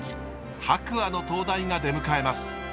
白亜の灯台が出迎えます。